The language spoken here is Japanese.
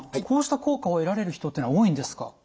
こうした効果を得られる人っていうのは多いんですか？